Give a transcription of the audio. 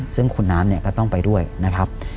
ซึ่งคุณน้ำเนี่ยก็ต้องไปด้วยนะครับ